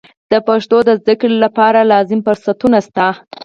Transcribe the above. د پښتو د زده کړې لپاره لازم فرصتونه نشته.